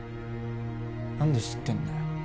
何で知ってんだよ？